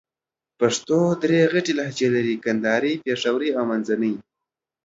پښتو درې غټ لهجې لرې: کندهارۍ، پېښورۍ او منځني.